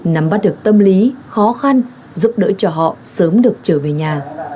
nắm bắt được tâm lý khó khăn giúp đỡ cho họ sớm được trở về nhà